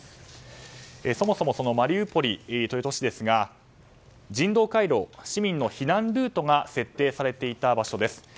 そもそもマリウポリという都市ですが人道回廊、市民の避難ルートが設定されていた場所です。